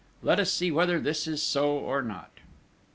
Let us see whether this is so or not!"